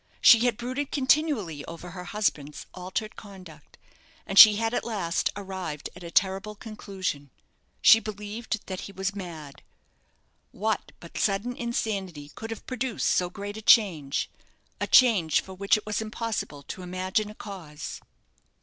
She had brooded continually over her husband's altered conduct, and she had at last arrived at a terrible conclusion. She believed that he was mad. What but sudden insanity could have produced so great a change? a change for which it was impossible to imagine a cause.